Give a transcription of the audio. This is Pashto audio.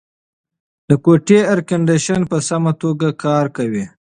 د کوټې اېرکنډیشن په سمه توګه کار کوي.